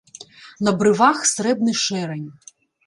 На брывах срэбны шэрань.